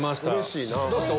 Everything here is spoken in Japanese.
どうですか？